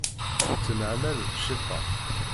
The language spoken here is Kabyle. Tettemεamal d cciṭan.